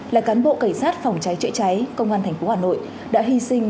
là cán bộ cảnh sát phòng trái trợi trái công an thành phố hà nội đã hy sinh